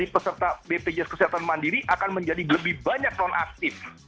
peserta bpjs kesehatan mandiri akan menjadi lebih banyak nonaktif